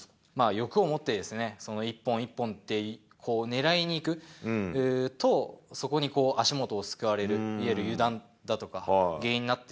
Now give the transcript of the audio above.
欲を持ってですね、その一本一本って、狙いにいくと、そこに足元をすくわれる、いわゆる油断だとか原因になって。